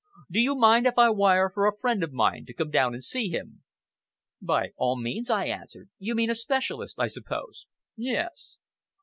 Do you mind if I wire for a friend of mine to come down and see him?" "By all means," I answered; "you mean a specialist, I suppose?" "Yes!"